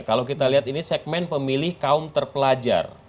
kalau kita lihat ini segmen pemilih kaum terpelajar